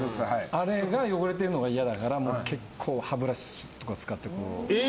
あれが汚れてるのが嫌だから歯ブラシとか使って。